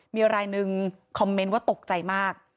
มีรายหนึ่งคอมเมนต์ว่าตกใจมาก